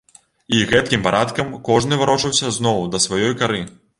І гэткім парадкам кожны варочаўся зноў да сваёй кары.